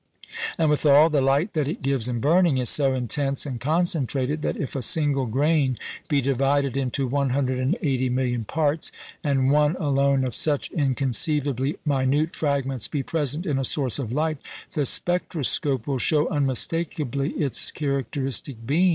And withal, the light that it gives in burning is so intense and concentrated, that if a single grain be divided into 180 million parts, and one alone of such inconceivably minute fragments be present in a source of light, the spectroscope will show unmistakably its characteristic beam.